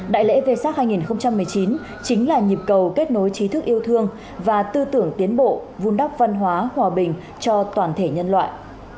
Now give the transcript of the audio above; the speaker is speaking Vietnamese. đại lễ v sac hai nghìn một mươi chín chính là nhịp cầu kết nối trí thức yêu thương và tư tưởng tiến bộ vun đắp văn hóa hòa bình cho toàn thể nhân loại